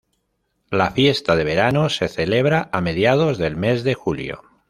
La fiesta de verano se celebra a mediados del mes de julio.